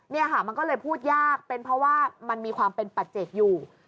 เนี่ยค่ะมันก็เลยพูดยากเป็นเพราะว่ามันมีความเป็นปัจเจกอยู่